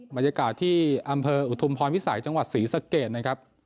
บรรยากาศที่อำเภออุทุมพรวิสัยจังหวัดศรีสะเกดนะครับ